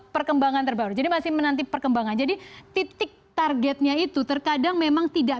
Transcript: perkembangan terbaru jadi masih menanti perkembangan jadi titik targetnya itu terkadang memang tidak